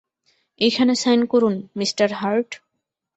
এইখানে সাইন করুন, mister heart.